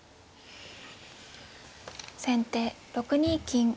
先手６二金。